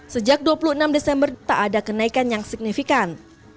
sejak dua puluh enam desember tak ada kenaikan yang signifikan